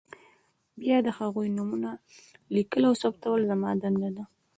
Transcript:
بیا د هغوی نومونه لیکل او ثبتول زما دنده ده.